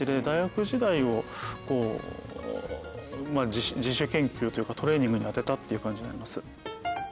大学時代を自主研究というかトレーニングに充てたっていう感じになります。